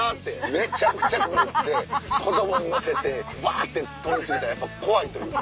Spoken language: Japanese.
めちゃくちゃ袋持って子供乗せてうわって通り過ぎたらやっぱ怖いというか。